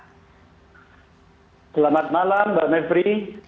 selamat malam mbak mepri